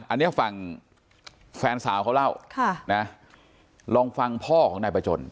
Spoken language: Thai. อันนี้ฝั่งแฟนสาวเขาเล่าลองฟังพ่อของนายประจน